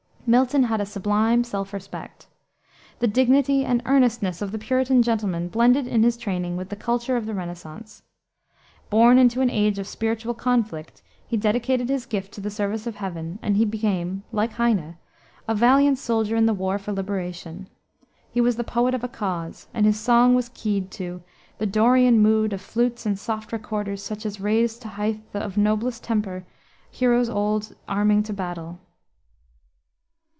Milton had a sublime self respect. The dignity and earnestness of the Puritan gentleman blended in his training with the culture of the Renaissance. Born into an age of spiritual conflict, he dedicated his gift to the service of Heaven, and he became, like Heine, a valiant soldier in the war for liberation. He was the poet of a cause, and his song was keyed to "The Dorian mood Of flutes and soft recorders such as raised To heighth of noblest temper, heroes old Arming to battle."